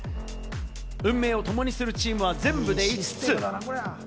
運命を共にするチームは全部で５つ。